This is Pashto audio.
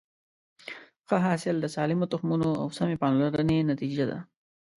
ښه حاصل د سالمو تخمونو او سمې پاملرنې نتیجه ده.